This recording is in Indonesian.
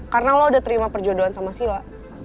karena lo udah terima perjodohan sama sila